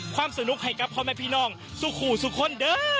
ความสนุกให้ของพี่น้องทุกคน